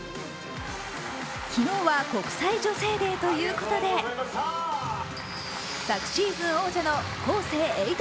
昨日は国際女性デーということで、昨シーズン王者のＫＯＳＥ８